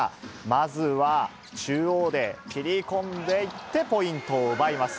まずは、中央で切り込んでいってポイントを奪います。